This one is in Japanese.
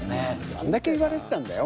あんだけ言われてたんだよ